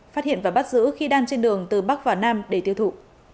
phát hiện và bắt giữ khi đang trên đường từ bắc vào nam để tiêu thụ